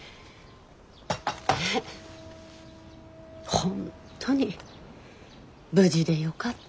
本当に無事でよかった。